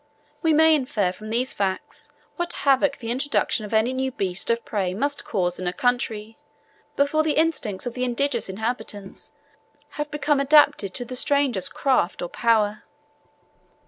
We may infer from these facts, what havoc the introduction of any new beast of prey must cause in a country, before the instincts of the indigenous inhabitants have become adapted to the stranger's craft or power.